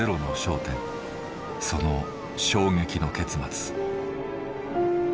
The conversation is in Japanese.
その衝撃の結末。